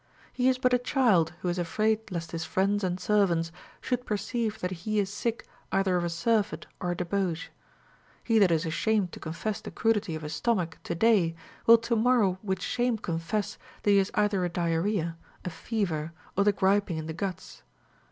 He is but a child who is afraid lest his friends and servants should perceive that he is sick either of a surfeit or a debauch. He that is ashamed to confess the crudity of his stomach to day will to morrow Λvith shame confess that he has either a diarrhoea, a fever, or the griping in the guts.